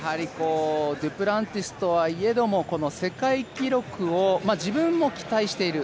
デュプランティスといえども、世界記録を自分も期待している